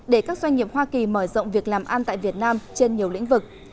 để các doanh nghiệp hoa kỳ mở rộng việc làm ăn tại việt nam trên nhiều lĩnh vực